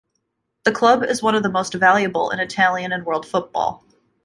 The club is one of the most valuable in Italian and world football.